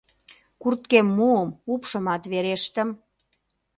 Курткем муым, упшымат верештым.